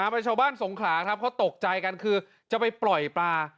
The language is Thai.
เป็นชาวบ้านสงขลาครับเขาตกใจกันคือจะไปปล่อยปลา